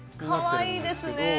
かわいいですね！